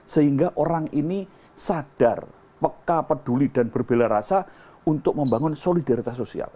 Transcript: sehingga orang ini sadar peka peduli dan berbela rasa untuk membangun solidaritas sosial